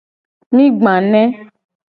Mi gba ne.